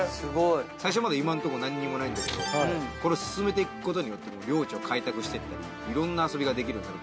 最初まだ今のところ何もないんだけどこれを進めていくことによって領地を開拓していったりいろんな遊びができるようになる